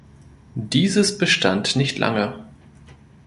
Dieses bestand nicht lange.